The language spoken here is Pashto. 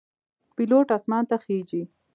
پیلوټ آسمان ته خیژي.